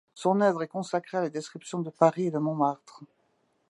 Son œuvre est consacrée à la description de Paris et de Montmartre.